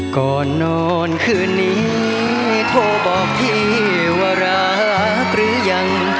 ก่อนนอนคืนนี้โทรบอกพี่ว่ารักหรือยัง